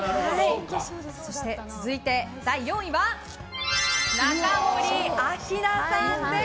そして第４位は中森明菜さんです。